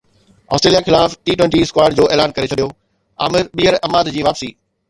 Australia خلاف T twenty squad جو اعلان ڪري ڇڏيو عامر بهير عماد جي واپسي